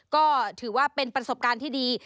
ก็ถือว่าเป็นประสบการณ์ที่ดี